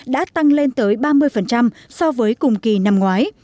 đã tăng lên tới ba mươi so với cùng kỳ năm ngoái